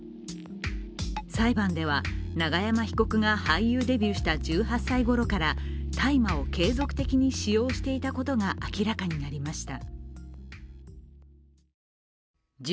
裁判では永山被告が俳優デビューした１８歳ごろから大麻を継続的に使用していたことが明らかになりました。